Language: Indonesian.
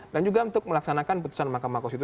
dan juga untuk melaksanakan putusan mk